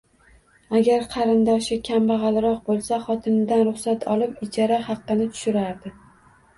Agar qarindoshi kambag`alroq bo`lsa, xotinidan ruxsat olib ijara haqini tushirardi